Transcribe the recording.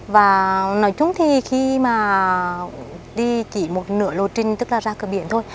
và nói chung thì khi mà đi chỉ một nửa lô trinh tức là ra cơ biển thôi